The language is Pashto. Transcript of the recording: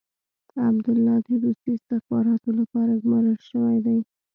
عبدالله د روسي استخباراتو لپاره ګمارل شوی دی.